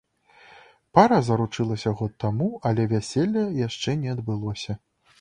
Пара заручылася год таму, але вяселле яшчэ не адбылося.